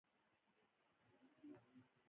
ایا یوازې غوښه خوړل کفایت کوي